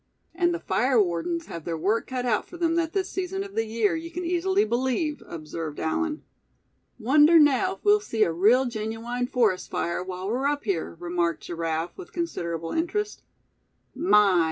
"And the fire wardens have their work cut out for them at this season of the year, you can easily believe," observed Allan. "Wonder now if we'll see a real genuine forest fire while we're up here," remarked Giraffe, with considerable interest. "My!